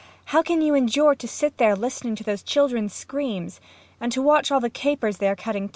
] Ugh, Rubek how can you endure to sit there listening to these children's screams! And to watch all the capers they are cutting, too!